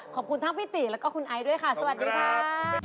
ขอบคุณทั้งพี่ติแล้วก็คุณไอซ์ด้วยค่ะสวัสดีค่ะ